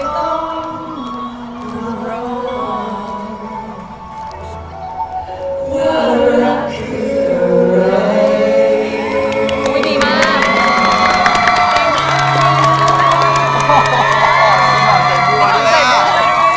อยู่ได้ดีมาก